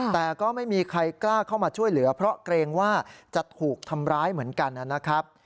แต่ก็ไม่มีใครกล้าเข้ามาช่วยเหลือเพราะเกรงว่าจะถูกทำร้ายเหมือนกันนะครับ